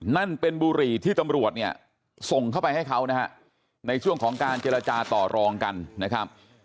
นั่นเป็นบุหรี่ที่ตำรวจเนี่ยส่งเข้าไปให้เขานะฮะในช่วงของการเจรจาต่อรองกันนะครับ